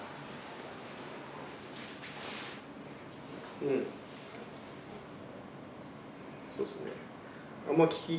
うんそうっすね。